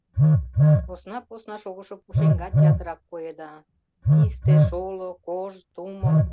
Посна-посна шогышо пушеҥгат ятырак коеда: писте, шоло, кож, тумо.